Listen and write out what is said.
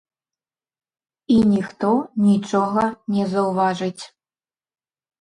І ніхто нічога не заўважыць.